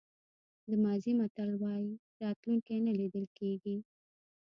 د مازی متل وایي راتلونکی نه لیدل کېږي.